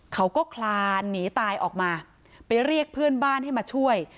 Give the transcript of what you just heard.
คลานหนีตายออกมาไปเรียกเพื่อนบ้านให้มาช่วย